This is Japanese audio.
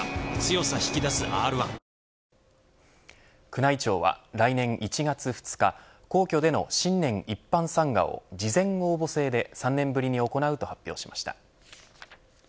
宮内庁は、来年１月２日皇居での新年一般参賀を事前応募制で３年ぶりに行うと発表しました。